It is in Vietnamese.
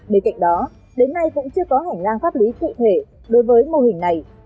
bên cạnh đó đến nay cũng chưa có hành lang pháp lý cụ thể đối với mô hình này